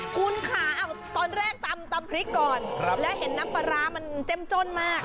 คุณค่ะตอนแรกตำพริกก่อนแล้วเห็นน้ำปลาร้ามันเจ้มจ้นมาก